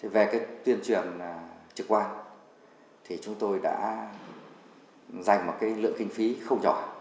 về cái tuyên truyền trực quan thì chúng tôi đã dành một lượng kinh phí không nhỏ